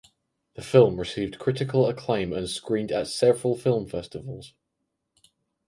The film received critical acclaim and screened at several film festivals.